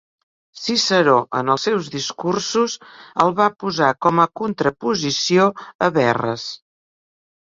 Ciceró en els seus discursos, el va posar com a contraposició a Verres.